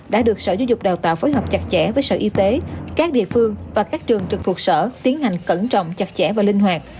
đã được sở giáo dục đào tạo phối hợp chặt chẽ với sở y tế các địa phương và các trường trực thuộc sở tiến hành cẩn trọng chặt chẽ và linh hoạt